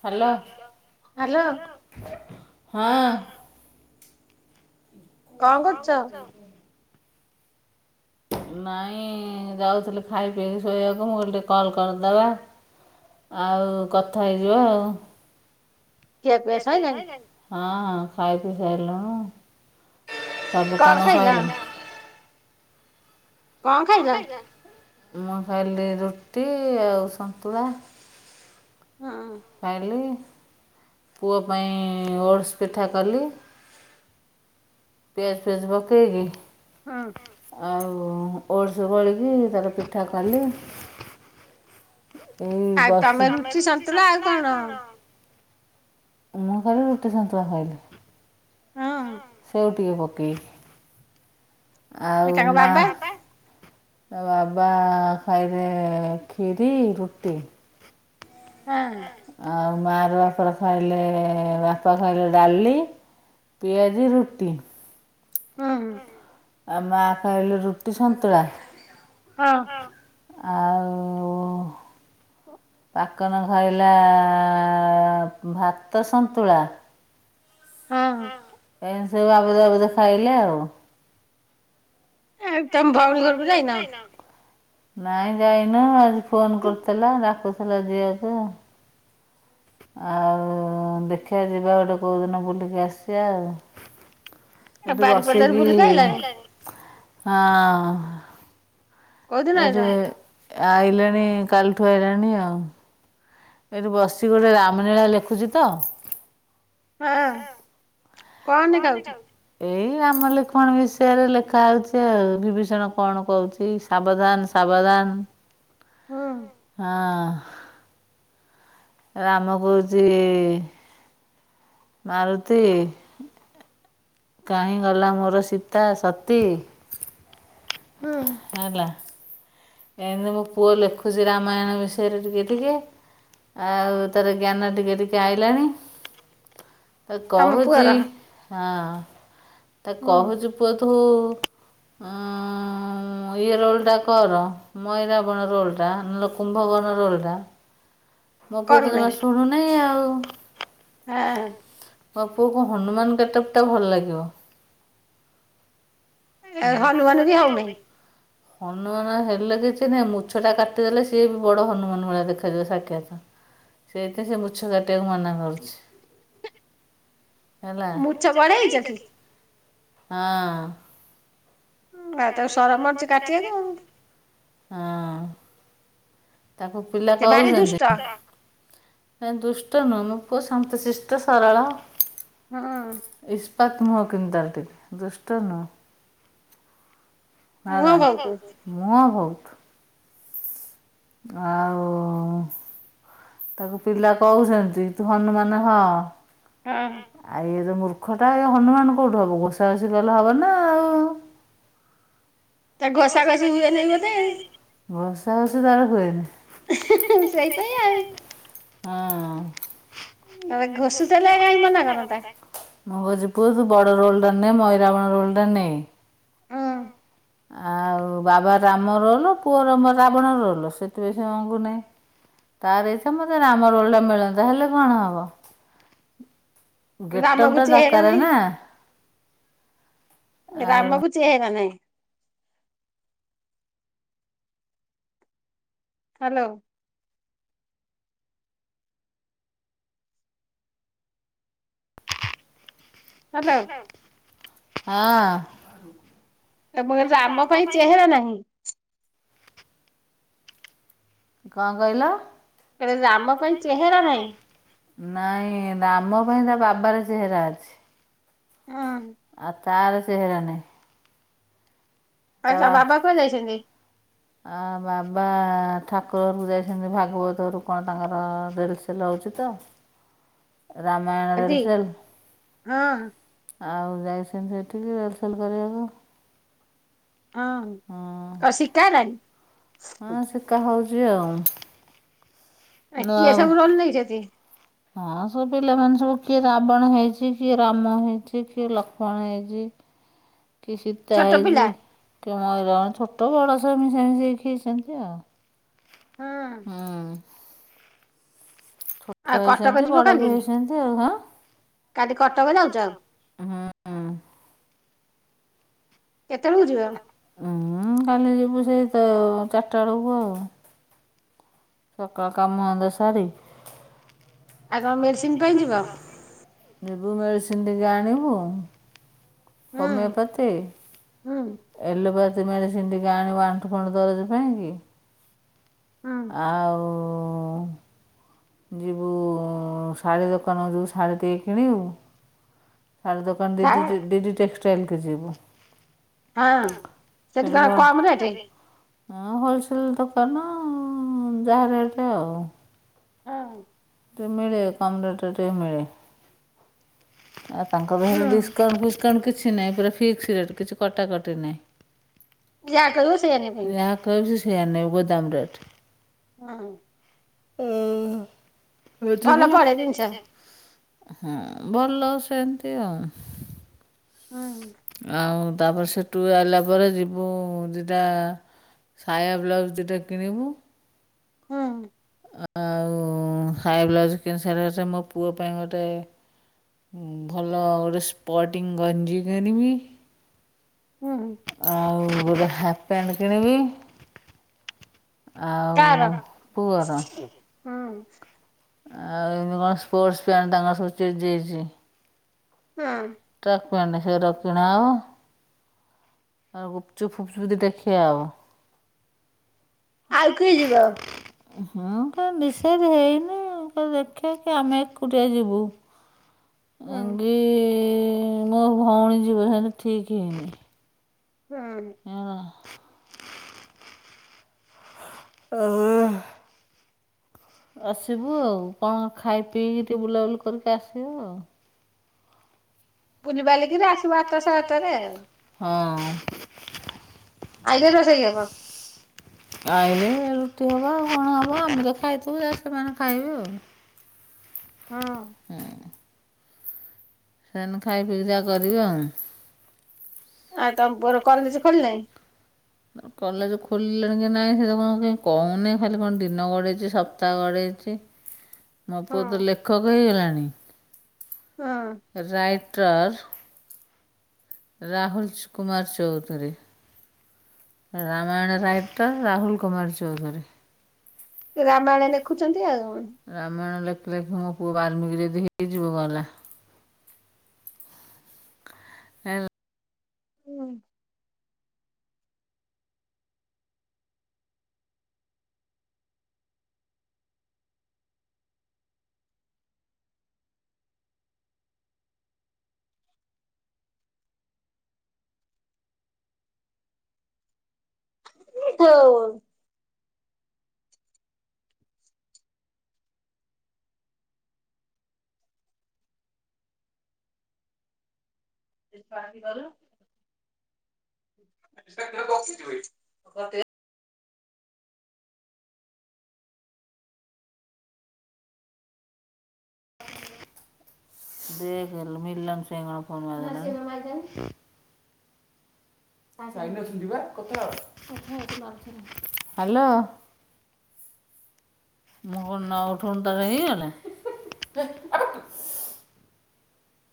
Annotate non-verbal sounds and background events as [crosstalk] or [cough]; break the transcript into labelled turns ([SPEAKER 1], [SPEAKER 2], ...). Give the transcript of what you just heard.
[SPEAKER 1] Hello
[SPEAKER 2] hello.
[SPEAKER 1] ହଁ
[SPEAKER 2] କଣ୍ କରୁଚ?
[SPEAKER 1] ନାଇଁ ଯାଉଥିଲି ଖାଇ ପିଇକି ଶୋଇବାକୁ ମୁଁ କହିଲି ଟିକେ କଲ୍ କରିଦବା। ଆଉ କଥା ହେଇଯିବା ଆଉ।
[SPEAKER 2] ଖିଆ ପିଆ ସଇଲାଣି
[SPEAKER 1] ହଁ ଖାଇପିଇ ସାଇଲୁନୁ। ସବୁ
[SPEAKER 2] କଣ
[SPEAKER 1] କାମ
[SPEAKER 2] ଖାଇଲ
[SPEAKER 1] ଶଇଲା? କଣ ଖାଇଚ ମୁଁ ଖାଇଲି ରୁଟି ଆଉ ସନ୍ତୁଳା।
[SPEAKER 2] ହୁଁ।
[SPEAKER 1] ଖାଇଲି ପୁଅ ପାଇଁ ଓଡସ୍ ପିଠା କଲି। ପିଆଜ ଫିଆଜ ପକେଇକି
[SPEAKER 2] ହଁ।
[SPEAKER 1] ଆଉ ଓଡଶ୍ ଗୋଳେକି ତାର ପିଠା କଲି। ଏଇ ବସି ତମେ ରୁଚି ସନ୍ତୁଳା ଆଉ କଣ? ମୁଁ ଖାଲି ରୁଟି ସନ୍ତୁଳା ଖାଇଲି।
[SPEAKER 2] ହଁ।
[SPEAKER 1] ସେଉ ଟିକେ ପକେଇ
[SPEAKER 2] ଏ
[SPEAKER 1] ଆଉ
[SPEAKER 2] ତାଙ୍କ
[SPEAKER 1] ମା ବାବା? ତା ବାବା ଖାଇବେ ଖିରି ରୁଟି।
[SPEAKER 2] ହଁ।
[SPEAKER 1] ଆଉ ମାଆ ର ବାପାର ଖାଇଲେ ବାପା ଖାଇଲେ ଡାଲି ପିଆଜି ରୁଟି।
[SPEAKER 2] ଉଁ ହୁଁ।
[SPEAKER 1] ଆଉ ମାଆ ଖାଇଲୁ ରୁଟି ସନ୍ତୁଳା।
[SPEAKER 2] କଣ।
[SPEAKER 1] ଆଉ
[SPEAKER 2] [inaudible]
[SPEAKER 1] ପାକନ ଖାଇଲା ଭାତ ସନ୍ତୁଳା।
[SPEAKER 2] ହଁ ହଁ।
[SPEAKER 1] ଏମିତି ସବୁ ଆବୁରୁ ଜାବୁରୁ ଖାଇଲେ ଆଉ।
[SPEAKER 2] ଏ ତମ ଭଉଣୀ ଘରକୁ ଯାଇନ?
[SPEAKER 1] ନାଇଁ ଯାଇନୁ ଆଜି ଫୋନ୍ କରୁଥିଲା ଡାକୁଥିଲା ଯିବାକୁ। ଆଉ ଦେଖିବା ଯିବା ଗୋଟେ କୋଉଦିନ ବୁଲିକି ଆସିବା ଆଉ।
[SPEAKER 2] ଆଉ ବାରିପଦାରୁ ବୁଲିକି
[SPEAKER 1] ଏଠୁ
[SPEAKER 2] ଆଇଲଣି
[SPEAKER 1] ବସେଇକି ହଁ।
[SPEAKER 2] କୋଉଦିନ ଆଇଲ?
[SPEAKER 1] ଏଠି ଆଇଲେଣି କାଲିଠୁ ଆଇଲାଣି ଆଉ। ଏଇଠି ବସିିଚି ଗୋଟେ ରାମଲୀଳା ଲେଖୁଛି ତ?
[SPEAKER 2] ହଁ।
[SPEAKER 1] କଣ
[SPEAKER 2] ନେଖା ହଉଛି
[SPEAKER 1] ଲେଖା ହୋଉଚି? ଏଇ ରାମ ଲେଖଣ ବିଷୟରେ ଲେଖା ହୋଉଚି ଆଉ ବିଭୀଷଣ କଣ କୋଉଚି। ସାବଧାନ ସାବଧାନ
[SPEAKER 2] ହୁଁ
[SPEAKER 1] ହଁ ରାମ କୋହୁଚି ମାରୁତି କାହିଁ ଗଲା ମୋର ସୀତା ସତୀ
[SPEAKER 2] ହୁଁ
[SPEAKER 1] ହେଲା। ଏମିତି ମୋ ପୁଅ ଲେଖୁଛି ରାମାୟଣ ବିଷୟରେ ଟିକେ ଟିକେ। ଆଉ ତାର ଜ୍ଞାନ ଟିକେ ଟିକେ ଆଇଲାଣି। ତା
[SPEAKER 2] ତମ
[SPEAKER 1] କହୁଚି
[SPEAKER 2] ପୁଅର
[SPEAKER 1] ହଁ ତା
[SPEAKER 2] ହୁଁ
[SPEAKER 1] କହୁଚି ପୁଅ ତୁ ଇଏ ରୋଲ ଟା କର। ମଇରା ବଣ ରୋଲ୍ଟା ନହେଲେ କୁମ୍ଭ ବର୍ଣ ରୋଲ୍ଟା। ମୋ ପୁଅ ତ ଜମା
[SPEAKER 2] କରୁନାହିଁ
[SPEAKER 1] ଶୁଣୁନେଇଁ ଆଉ।
[SPEAKER 2] ହଁ।
[SPEAKER 1] ମୋ ପୁଅକୁ ହନୁମାନ ଗେଟପଟା ଭଲ ଲାଗିବ।
[SPEAKER 2] ଏ ହନୁମାନ ବି ହୋଉନାହିଁ।
[SPEAKER 1] ହନୁମାନ ହେଲେ କିଛି ନାହିଁ ମୁଛଟା କାଟିଦେଲେ ସିଏବି ବଡ଼ ହନୁମାନ ଭଳିଆ ଦେଖାଯିବ ସାକ୍ଷାତ। ସେଇଥି ସେ ମୁଛ କାଟିବାକୁ ମନା କରୁଛି। ହେଲା ମୁଛ
[SPEAKER 2] ବଢେଇଛ କି
[SPEAKER 1] ବଡ଼େଇଚକି ହଁ।
[SPEAKER 2] ହୁ ଆଉ ତାକୁ ସରମ ମରୁଚି କାଟିିବାକୁ।
[SPEAKER 1] ହଁ ତାକୁ ପିଲା
[SPEAKER 2] ସେ ଭାରି
[SPEAKER 1] କହୁଚ
[SPEAKER 2] ଦୁଷ୍ଟ
[SPEAKER 1] ନାଁ ଦୁଷ୍ଟନୁଅ ମୋପୁଅ ସାନ୍ତଶିଷ୍ଟ ସରଳ
[SPEAKER 2] ହଁ
[SPEAKER 1] ହୁଁ ଇସ୍ ପତ୍ମ ହ କିିନ୍ ଦାଟିି ଦୁଷ୍ଟ ନୁହଁ। ହେଲା
[SPEAKER 2] ମୁହଁ ବହୁତ
[SPEAKER 1] ମୁହଁ ବହୁତ୍। ଆଉ ତାକୁ ପିଲା କହୁଛନ୍ତି ତୁ ହନୁମାନ ହଁ?
[SPEAKER 2] ହଁ।
[SPEAKER 1] ଆଉ ଇଏତ ମୂର୍ଖଟା ଇଏ ହନୁମାନ କୋଉଠୁ ହବ ଘୋଷା ଘଷି କଲେ ହବନା।
[SPEAKER 2] ତା ଗସା ଗସି ହୁଏନେହି ବୋଧେ?
[SPEAKER 1] ଘସା ଘସି ତାର ହୁଏନି ହେ ହେ
[SPEAKER 2] ସେଇପାଇଁ ଆଉ
[SPEAKER 1] ସେଇଥିପାଇଁ ଆଉ। ହଁ।
[SPEAKER 2] ଆ ଘୋଷୁ ଥୁଲେ କାହିଁ ମନା କରତା।
[SPEAKER 1] ମୁକଉଚି ପୁଅ ତୁବଡ଼ ରୋଲ୍ଟା ନେ ମୟରବଣ ରୋଲ୍ଡ ନେ
[SPEAKER 2] ହୁଁ।
[SPEAKER 1] ଆଉ ବାବା ରାମ ରୋଲ୍ ପୁଅର ରାବଣ ରୋଲ ସେଥିପାଇଁ ସେମଙ୍ଗୁନି। ତାର ଏଇ ସମସ୍ୟାଟା ମତେ ରାମ ରୋଲଟା ମିଳନ୍ତା ହେଲେ କଣ ହବ।
[SPEAKER 2] ହୁଁ ରାମକୁ
[SPEAKER 1] ଗେଟଟପଟା
[SPEAKER 2] ଚେହେରା ନାହିଁ
[SPEAKER 1] ଦରକାରନା। ଆଉ
[SPEAKER 2] ରାମକୁ ଚେହେରା ନାହିଁ। ହାଲୋ। ହାଲୋ
[SPEAKER 1] ହଁ।
[SPEAKER 2] ନା ମୁକଇନି ରାମ ପାଇଁ ଚେହେରା ନାହିଁ।
[SPEAKER 1] କଁ କଇଁଲ?
[SPEAKER 2] କଁ ରାମ ପାଇଁ ଚେହେରା ନାହିଁ।
[SPEAKER 1] ନାଇଁ ରାମ ପାଇଁ ତାବାବାର ଚେହେରା ଅଛି।
[SPEAKER 2] [unintelligible]
[SPEAKER 1] ଆ ତାର ଚେହେରା ନାଇଁ।
[SPEAKER 2] ଆଚ୍ଛା ବାବା କୁଆଡ଼େ ଯାଇଚନ୍ତି?
[SPEAKER 1] ଆ ବାବା ଠାକୁର ଘରକୁ ଯାଇଚନ୍ତି ଭାଗବତରୁ କଣ ତାଙ୍କର ଦେଢ଼ସୁ ହଉଚିତ ରାମାୟଣ
[SPEAKER 2] ଆଜି
[SPEAKER 1] ର୍ଲେସଲ୍
[SPEAKER 2] ହଁ
[SPEAKER 1] ଆଉ ଯାଇଚନ୍ତି ସେଠିକି ରୋଲସେଲ୍ କରିବାକୁ
[SPEAKER 2] ହଁ
[SPEAKER 1] ହଁ
[SPEAKER 2] କଁ ଶିକାହେଲାଣି?
[SPEAKER 1] କାହା ହଉଚି ଆଉ। ନାଁ
[SPEAKER 2] କିଏ ସବୁ ରୋଲ ନେଇଛନ୍ତି
[SPEAKER 1] ହଁ ସବୁ ପିଲାମାନେ ସବୁ କିଏ ରାବଣ ହେଇଚି କିଏ ରାମ ହେଇଚି କିଏ ଲକ୍ଷ୍ମଣ ହେଇଚି। କି ସୀତା
[SPEAKER 2] ଛୋଟ
[SPEAKER 1] ହେଇଚି
[SPEAKER 2] ପିଲା
[SPEAKER 1] କି ମଇରାଣ ଛୋଟ ବଡ଼ ସାବୁ ମିଶା ମିଶା ହେଇକି ଖଇଚନ୍ତି ଆଉ।
[SPEAKER 2] ହଁ
[SPEAKER 1] ହୁଁ
[SPEAKER 2] ଆଉ
[SPEAKER 1] ଛୋଟ
[SPEAKER 2] କଟକ
[SPEAKER 1] ହେଇଛନ୍ତି
[SPEAKER 2] ଯିବ କାଲି
[SPEAKER 1] ବଡ଼ବି ହେଇଛନ୍ତି ଆଉ ଆଁ କାଲି କଟକ ଯାଉଚ ହୁଁ। ଉଁ।
[SPEAKER 2] କେତେବେଳକୁ ଯିବ
[SPEAKER 1] କେତେବେଳେକୁ ଉୁଁ କାଲି ଯିବୁ ସେଇ ତ ଚାରିଟା ବେଳକୁୁ ଆଉ। ସକାଳ କାମ ଧନ୍ଦା ସାରି
[SPEAKER 2] ଆଉ କଣ ମେଡ଼ିସିନ୍ ପାଇଁ ଯିବ?
[SPEAKER 1] ଯିବୁ ମେଡ଼ିସିନ ଟିକେ ଆଣିବୁ
[SPEAKER 2] ହୁଁ
[SPEAKER 1] ହୋମିଓପାଥି।
[SPEAKER 2] ହୁଁ
[SPEAKER 1] ଏଲୋପାଥି ମେଡ଼ିସିନ୍ ଟିକେ ଆଣିବୁ ଆଣ୍ଠୁ ଫାଣ୍ଠୁ ଦରଜ ପାଇଁ କି।
[SPEAKER 2] ହୁଁ
[SPEAKER 1] ଆଉ ଯିବୁ-ଉ-ଉ ଉଁ ଶାଢ଼ୀ ଦୋକାନ ଯିବୁ ଶାଢ଼ୀ ଟିକେ କିଣିବୁ ଶାଢ଼ୀ ଦୋକ୍ କଣ
[SPEAKER 2] ହଁ
[SPEAKER 1] ଡିଡିଜି ଡିଜି ଟେକ୍ସଟାଇଲକୁ ଯିବୁ।
[SPEAKER 2] ହଁ ସେଠି କଣ କମ୍ ରେଟ୍?
[SPEAKER 1] ହଁ ହୋଲସେଲ ଦୋକାନ-ଅ-ଅ-ଅ ଯାହା ରେଟ୍ ଆଉ।
[SPEAKER 2] ହଁ।
[SPEAKER 1] [inaudible] ମିଳେ କମ ରେଟରେ ଟିକେ ମିଳେ, ଆଉ ତାଙ୍କର
[SPEAKER 2] ହୁଁ
[SPEAKER 1] ଡିସକାଉଣ୍ଟ ଫିସ୍ କାଉଣ୍ଟ୍ କିଛି ନାହିଁ ପୁରା ଫିକ୍ସ ରେଟ୍ କିଛି କଟାକଟି ନାହିଁ। ଯାହା
[SPEAKER 2] କହିବ ସେଇଆ ନେବି
[SPEAKER 1] କହିବୁ ସେ ସେଇଆ ନେବେ ଗୋଦାମ ରେଟ୍।
[SPEAKER 2] ହଁ।
[SPEAKER 1] ଓ-ଓ-ଓ
[SPEAKER 2] ଭଲ
[SPEAKER 1] ଉଠିବୁ?
[SPEAKER 2] ପଡେ ଜିନିଷ
[SPEAKER 1] ହଁ, ଭଲ ସେମତି ଆଉ।
[SPEAKER 2] ହୁଁ
[SPEAKER 1] ଆଉ ତାପରେ ସେ ସେଠୁ ଆଇଲା ପରେ ଯିବୁ ଦିଟା ସାୟା ବ୍ଲାଉଜ୍ ଦିଟା କିଣିବୁ।
[SPEAKER 2] ହୁଁ।
[SPEAKER 1] ଆଉ-ଉ-ଉ-ଉ ସାୟା ବ୍ଲାଉଜ୍ କିଣି ସାରିଲାଠି ମୋ ପୁଅ ପାଇଁ ଗୋଟେ ଭଲ ଗୋଟେ ସ୍ପଟିଂ ଗଞ୍ଜି କିଣିବି।
[SPEAKER 2] ହୁଁ
[SPEAKER 1] ଆଉ ଗୋଟେ ହାଫ୍ ପ୍ୟାଣ୍ଟ୍ କିଣିବି। ଆଉ
[SPEAKER 2] କାଆର
[SPEAKER 1] ପୁଅର
[SPEAKER 2] ହୁଁ
[SPEAKER 1] ଆଉ ଏମିତି କଣ ସ୍ପୋର୍ଟସ ପ୍ୟାଣ୍ଟ୍ ତାଙ୍କର ସବୁ ଚେଞ୍ଜ୍ ହେଇଛି।
[SPEAKER 2] ହୁଁ।
[SPEAKER 1] ଟ୍ରାକ୍ ପ୍ୟାଣ୍ଟ୍ ସେରା କିିଣାହେବ। ଆଉ ଗୁପଚୁପ୍ ଫୁପଚୁପ୍ ଦିଟା ଖିଆ ହେବ।
[SPEAKER 2] ଆଉ କିଏ ଯିବ
[SPEAKER 1] ହଁ କଣ ନିଷେଧ ହେଇନି। [unintelligible] ଦେଖିବା କି ଆମେ ଏକୁଟିଆ ଯିବୁ।
[SPEAKER 2] ହୁଁ
[SPEAKER 1] ଆଙ୍ଗି ମୋ ଭଉଣୀ ଯିବ ହେଲେ ଠିକ୍ ହେଇନି।
[SPEAKER 2] [unintelligible]
[SPEAKER 1] [unintelligible] [unintelligible] ଆସିବୁ ଆଉ, କଣ ଖାଇ ପିଇକି ଟିକେ ବୁଲାବୁଲି କରିକି ଆସିବୁ ଆଉ।
[SPEAKER 2] ବୁଲି ବାଲିକିରି ଆସିବ ଆଠଟା‌ ସାଢେ ଆଠଟାରେ ଆଉ।
[SPEAKER 1] ହଁ-ଅ-ଅ।
[SPEAKER 2] ଆଇଲେ ରୋଷେଇ ହବ
[SPEAKER 1] ଆଇଲେ ରୁଟି ହବ ଆଉ କଣ ହବ ଆମେ ତ ଖାଇଥିବୁ [inaudible] ସେମାନେ ଖାଇବେ ଆଉ।
[SPEAKER 2] ହଁ।
[SPEAKER 1] ସେମାନେ ଖାଇ ପିଇ ଯାହା କରିବେ ଆଉ।
[SPEAKER 2] ଆଉ ତମ ପୁଅର କଲେଜ ଖୋଲିଲାଣି?
[SPEAKER 1] [inaudible] କଲେଜ ଖୋଲିଲେଣି କି ନାହିଁ ସେ ତ କଣ କାଇଁ କହୁନି ଖାଲି କଣ ଦିନ ଗଡ଼େଇଛି ସପ୍ତାହ ଗଡ଼େଇଛି। ମୋ ପୁଅ ତ
[SPEAKER 2] ହଁ
[SPEAKER 1] ଲେଖକ ହେଇଗଲାଣି।
[SPEAKER 2] ହଁ।
[SPEAKER 1] ରାାଇଟର୍ ରାହୁଲଚ୍ କୁମାର ଚୌଧୁରୀ। ରାମାୟଣ ରାାଇଟର୍ ରାହୁଲ କୁମାର ଚୌଧୁରୀ।
[SPEAKER 2] ରାମାୟଣ ଲେଖୁଚନ୍ତି ଆଉ।
[SPEAKER 1] ରାମାୟଣ ଲେଖ ଲେଖି ମୋ ପୁଅ ବାର୍ମୀିକୀ ଯଦି ହେଇଯିବ ଗଲା। ହେଲ୍
[SPEAKER 2] ହୁଁ। ହଉ। [inaudible]
[SPEAKER 1] ସେ [unintelligible] ହାଲୋ। ମୁଁ କଣ ନ ଉଠୁନ୍ ତ ହେଇଗଲା।